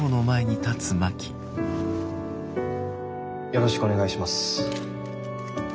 よろしくお願いします。